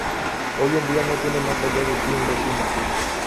Hoy en día no tiene más allá de cien vecinos.